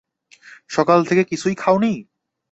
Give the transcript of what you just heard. সকাল থেকে কিছুই খাওনি।